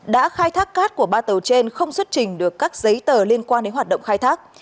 đã khai thác cát của ba tàu trên không xuất trình được các giấy tờ liên quan đến hoạt động khai thác